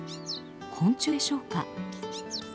昆虫でしょうか。